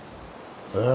ええ。